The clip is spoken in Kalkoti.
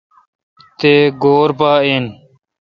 تہ گور پہ این۔